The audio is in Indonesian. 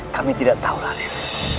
kami tidak tahu radyat